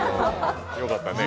よかったね。